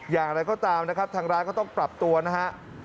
อย่างไรก็ตามนะครับทางร้านก็ต้องปรับตัวนะฮะ